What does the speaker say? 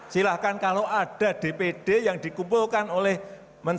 silahkan kalau ada dpd yang dikumpulkan oleh menteri